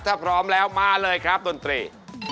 ถ้าพร้อมแล้วมาเลยครับดนตรี